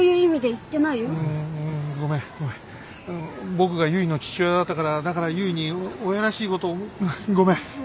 僕がゆいの父親だったからだからゆいに親らしいことをごめん。